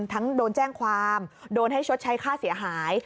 ทั้งโดนแจ้งความโดนให้ชดใช้ค่าเสียหาย